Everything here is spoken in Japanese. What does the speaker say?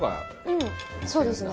うんそうですね。